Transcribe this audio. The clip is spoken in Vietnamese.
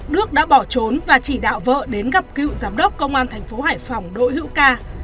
đức đã bỏ trốn và chỉ đạo vợ đến gặp cựu giám đốc công an thành phố hải phòng đỗ hữu ca